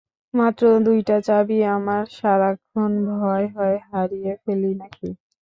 মাত্র দুইটা চাবি আমার, সারাক্ষণ ভয় হয় হারিয়ে ফেলি নাকি।